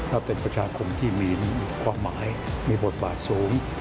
และเป็นประชาคมที่มีความหมายมีบทบาทสูง